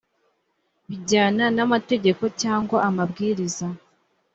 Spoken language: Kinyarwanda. bijyana n amategeko cyangwa amabwiriza